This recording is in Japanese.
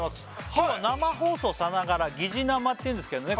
今日は生放送さながら疑似生っていうんですけどね